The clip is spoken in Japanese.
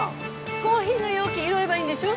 コーヒーの容器拾えばいいんでしょ？